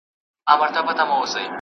دوه پاچایان پر یو تخت نه ځايېږي !.